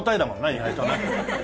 意外とな。